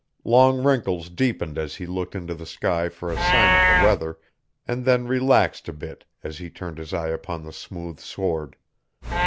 Long wrinkles deepened as he looked into the sky for a sign of the weather, and then relaxed a bit as he turned his eyes upon the smooth sward.